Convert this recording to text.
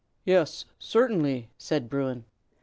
"Yes, certainly," said Bruin.